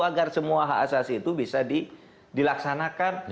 agar semua hak asasi itu bisa dilaksanakan